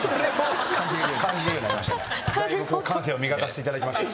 だいぶ感性を磨かせていただきました。